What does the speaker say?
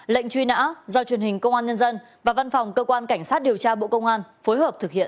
lệnh truy nã do truyền hình công an nhân dân và văn phòng cơ quan cảnh sát điều tra bộ công an phối hợp thực hiện